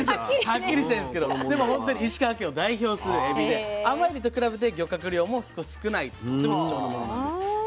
はっきりしたいんですけどでも本当に石川県を代表するエビで甘エビと比べて漁獲量も少ないとっても貴重なものなんです。